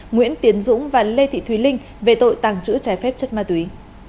nguyễn tiến dũng và lê thị thùy linh về tội tàng trữ trái phép chất ma túy